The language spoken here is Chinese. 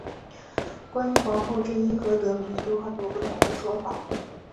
关于皇后镇因何得名有很多不同的说法。